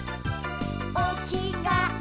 「おきがえ